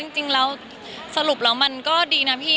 จริงแล้วสรุปแล้วมันก็ดีนะพี่